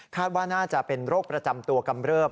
ว่าน่าจะเป็นโรคประจำตัวกำเริบ